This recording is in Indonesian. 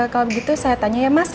kalau begitu saya tanya ya mas